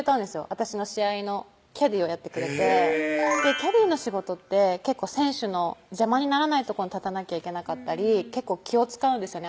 私の試合のキャディーをやってくれてキャディの仕事って結構選手の邪魔にならないとこに立たなきゃいけなかったり結構気を遣うんですよね